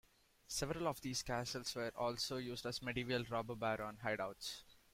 Several of these castles were also used as medieval robber baron hideouts.